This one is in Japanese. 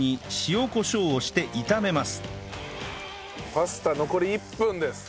パスタ残り１分です。